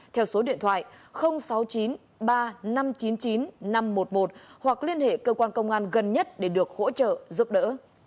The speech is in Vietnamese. theo số điện thoại sáu chín ba năm chín chín năm một một hoặc liên hệ cơ quan công an gần nhất để được hỗ trợ giúp đỡ